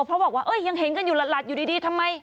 เพราะบอกว่ายังเห็นกันอยู่หลัดอยู่ดีทำไม